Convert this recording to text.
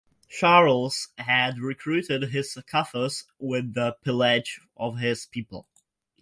Charles had recruited his coffers with the pillage of his people.